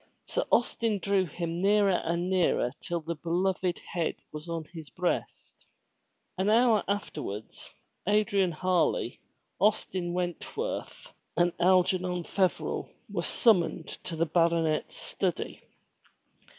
Sir Austin drew him nearer and nearer till the beloved head was on his breast. An hour afterwards, Adrian Harley, Austin Wentworth and 250 FROM THE TOWER WINDOW Algernon Feverel were summoned to the baronet's study.